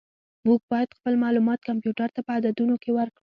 موږ باید خپل معلومات کمپیوټر ته په عددونو کې ورکړو.